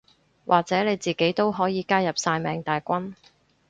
或者你自己都可以加入曬命大軍